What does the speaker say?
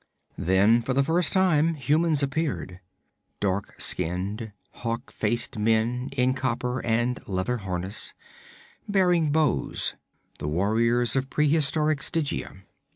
Then for the first time humans appeared: dark skinned, hawk faced men in copper and leather harness, bearing bows the warriors of pre historic Stygia.